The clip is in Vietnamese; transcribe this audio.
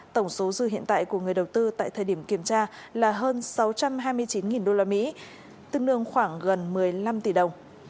tổng số dư hiện tại của người đầu tư tại thời điểm kiểm tra là hơn sáu trăm hai mươi chín usd tương đương khoảng gần một mươi năm tỷ đồng